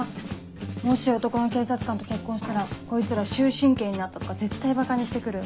もし男の警察官と結婚したらこいつら終身刑になったとか絶対ばかにして来る。